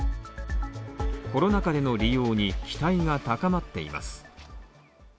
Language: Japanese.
コロナ禍での利用に期待が高まっています。